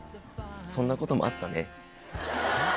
そんなこともあったね。